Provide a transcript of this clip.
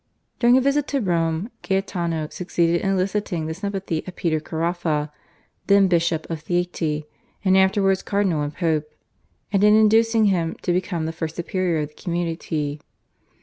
During a visit to Rome Gaetano succeeded in eliciting the sympathy of Peter Caraffa (then bishop of Theate and afterwards cardinal and Pope) and in inducing him to become the first superior of the community.